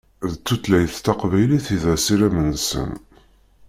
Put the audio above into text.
D tutlayt taqbaylit i d asirem-nsen.